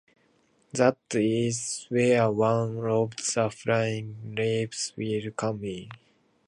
That is where one of the flying leaps will come in.